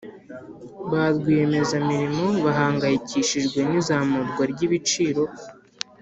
barwiyemezamirimo bahangayikishijwe nizamurwa ryibiciro